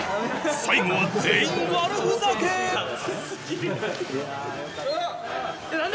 ・最後は全員悪ふざけ何で？